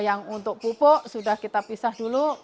jadi yang untuk pupuk sudah kita pisah dulu kita taruh di dalam